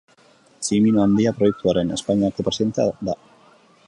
Tximino Handia Proiektuaren Espainiako presidentea da.